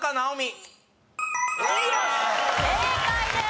正解です！